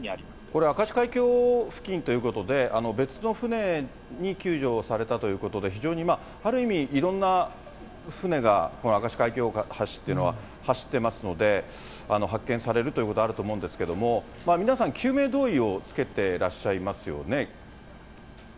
これ、明石海峡付近ということで、別の船に救助されたということで、非常にある意味、いろんな船が明石海峡大橋というのは走ってますので、発見されるということはあると思うんですけども、皆さん、救命胴衣を着けてらっしゃいますよね。